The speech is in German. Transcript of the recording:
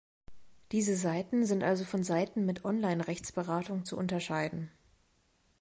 Diese Seiten sind also von Seiten mit Online-Rechtsberatung zu unterscheiden.